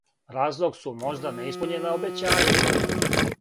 Разлог су можда неиспуњена обећања.